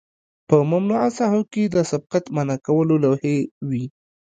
په ممنوعه ساحو کې د سبقت منع کولو لوحې وي